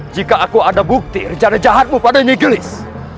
jika aku ada bukti rencana jahatmu pada nyegelis